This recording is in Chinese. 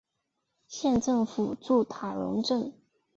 县政府驻塔荣镇。